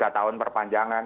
tiga tahun perpanjangan